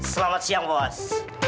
selamat siang bos